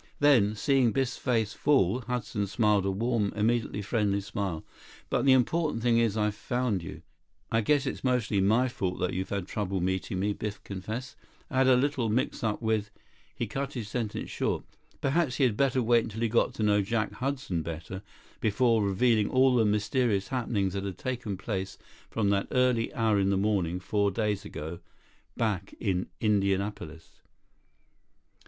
Then, seeing Biff's face fall, Hudson smiled, a warm, immediately friendly smile. "But the important thing is I've found you." "I guess it is mostly my fault that you've had trouble meeting me," Biff confessed. "I had a little mixup with—" He cut his sentence short. Perhaps he had better wait until he got to know Jack Hudson better before revealing all the mysterious happenings that had taken place from that early hour in the morning four days ago, back in Indianapolis.